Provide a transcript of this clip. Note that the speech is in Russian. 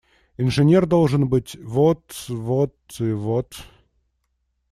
Инженер должен быть – вот… вот… и вот…